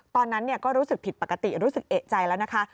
ตอนนั้นก็รู้สึกผิดปกติรู้สึกเอกใจแล้วนะคะ